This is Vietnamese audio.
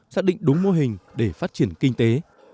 xác định đúng mô hình để phát triển kinh tế